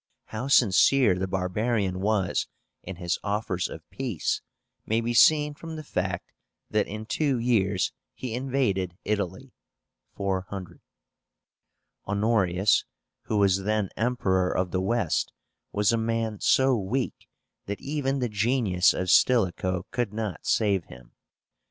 How sincere the barbarian was in his offers of peace may be seen from the fact that in two years he invaded Italy (400). Honorius, who was then Emperor of the West, was a man so weak that even the genius of Stilicho could not save him.